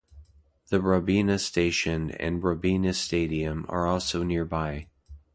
The Robina station and Robina Stadium are also nearby.